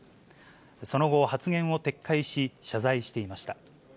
その後、発言を撤回し、謝罪していました。